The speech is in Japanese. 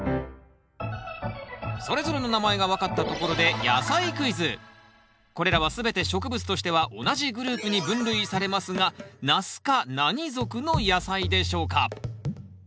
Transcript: それぞれの名前が分かったところでこれらは全て植物としては同じグループに分類されますがナス科何属の野菜でしょうか？